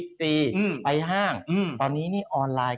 กระทำ